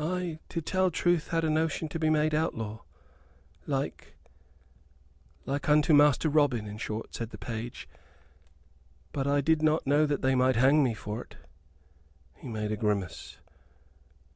"I to tell truth, had a notion to be made outlaw, like like unto Master Robin, in short," said the page. "But I did not know that they might hang me for't." He made a grimace.